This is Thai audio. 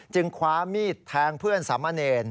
คว้ามีดแทงเพื่อนสามะเนร